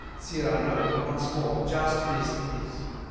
Cyrano, once more, just missed this.